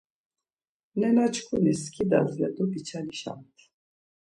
Nenaçkuni skidas ya do biçalişamt.